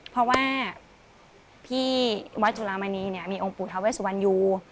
เพราะว่าพี่วัดจุฬามานีเนี่ยมีองค์ปูเท้าเวสสุวรรณยู